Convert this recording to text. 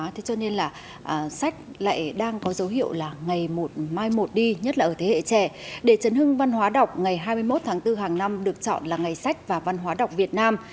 hai mươi một tháng bốn hàng năm được chọn là ngày sách và văn hóa đọc việt nam